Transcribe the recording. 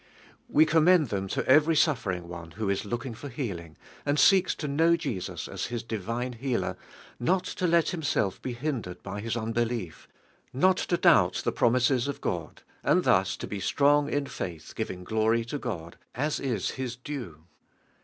We commend them to every suffering one who is looking for healing, and seeks to know Jesus as His divine Healer, not to left himself be hindered by his unite lief, not to doubt the promises of God, and thus to be "strong in faith giving glory to God" as is His dne.